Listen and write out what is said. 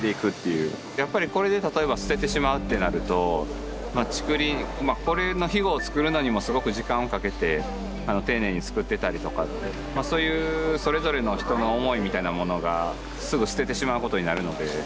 やっぱりこれで例えば捨ててしまうってなるとこれのヒゴを作るのにもすごく時間をかけて丁寧に作ってたりとかそういうそれぞれの人の思いみたいなものがすぐ捨ててしまうことになるので。